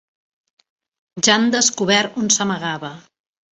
Ja han descobert on s'amagava.